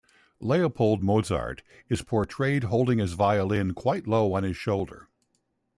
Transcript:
Leopold Mozart is portrayed holding his violin quite low on his shoulder.